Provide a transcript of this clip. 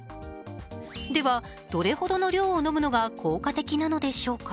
ではどれほどの量を飲むのが効果的なのでしょうか？